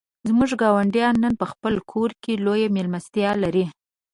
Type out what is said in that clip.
زموږ ګاونډی نن په خپل کور کې لویه مېلمستیا لري.